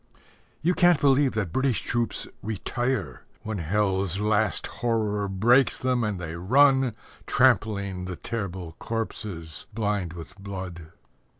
You can't believe that British troops "retire" When hell's last horror breaks them, and they run, Trampling the terrible corpses blind with blood.